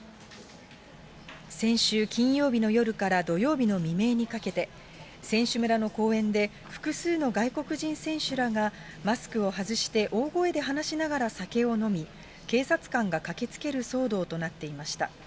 先週金曜日の夜から土曜日の未明にかけて、選手村の公園で、複数の外国人選手らが、マスクを外して、大声で話しながら酒を飲み、警察官が駆けつける騒動となっていました。